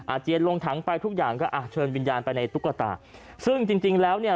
เจียนลงถังไปทุกอย่างก็อ่ะเชิญวิญญาณไปในตุ๊กตาซึ่งจริงจริงแล้วเนี่ย